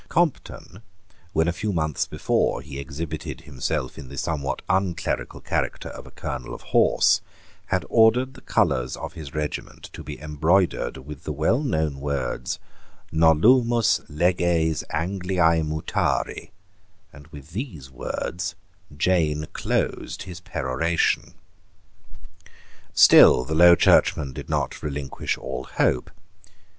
Compton, when a few months before he exhibited himself in the somewhat unclerical character of a colonel of horse, had ordered the colours of his regiment to be embroidered with the well known words "Nolumus leges Angliae mutari"; and with these words Jane closed his peroration, Still the Low Churchmen did not relinquish all hope.